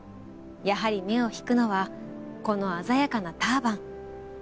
やはり目を引くのはこの鮮やかなターバン。